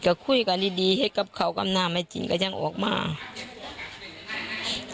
ก็คุยกันดีให้กับเขากำลังมาจินก็จะออกมา